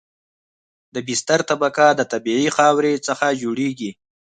د بستر طبقه د طبیعي خاورې څخه جوړیږي